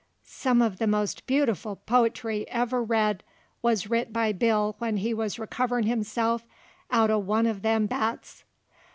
Some uv the most beautiful po'try I ever read wuz writ by Bill when he wuz recoverin' himself out'n one uv them bats.